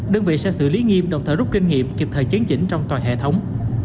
đơn vị sẽ xử lý nghiêm đồng thời rút kinh nghiệm kịp thời chấn chỉnh trong toàn hệ thống